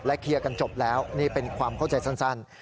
เคลียร์กันจบแล้วนี่เป็นความเข้าใจสั้น